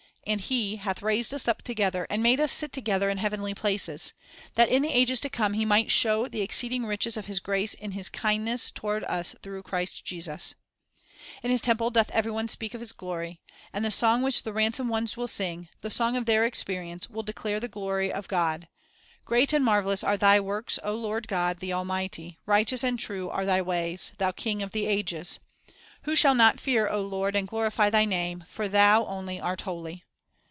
And He "hath Mysterv" raised us up together, and made us sit together in heavenly places; ... that in the ages to come He might show the exceeding riches of His grace in His kindness toward us through Christ Jesus." 3 "In His temple doth every one speak of His glory," 4 and the song which the ransomed ones will sing, — the song of their experience, — will declare the glory of God: "Great and marvelous are Tin' works, •Matt. 20:28. 2 Isa. .13:12. » Eph. 3 : io, R. V.; 2:6,7. 4 Ps. 29:9. The School of the Hereof ley 309 O Lord God, the Almighty; righteous and true are Thy ways, Thou King of the ages. Who shall not fear, O Lord, and glorify Thy name? for Thou only art holy."